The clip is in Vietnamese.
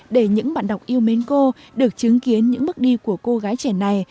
để những bạn đọc yêu mến cô được chứng kiến những bước đi của cô gái trẻ này